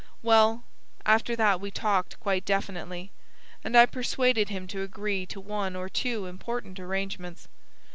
Well, after that we talked quite definitely, and I persuaded him to agree to one or two important arrangements.